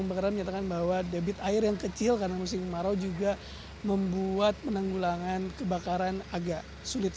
kebakaran menyatakan bahwa debit air yang kecil karena musim kemarau juga membuat penanggulangan kebakaran agak sulit